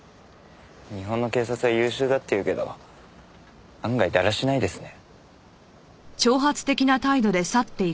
日本の警察は優秀だっていうけど案外だらしないですね。